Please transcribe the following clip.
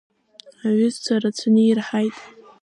Аҩызцәа рацәаны ирҳаит.